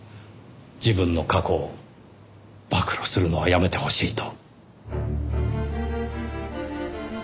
自分の過去を暴露するのはやめてほしいと。